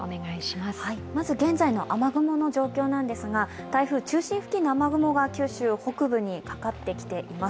まず、現在の雨雲の状況ですが、台風、中心付近の雨雲が九州北部にかかってきています。